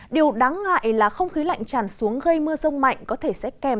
điều đáng ngại là không khí lạnh tràn xuống gây mưa rông mạnh có thể sẽ kèm